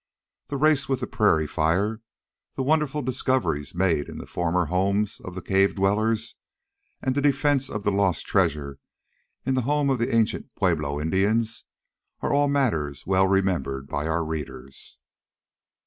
The race with the prairie fire, the wonderful discoveries made in the former homes of the cave dwellers, and the defence of the lost treasure in the home of the ancient Pueblo Indians are all matters well remembered by our readers.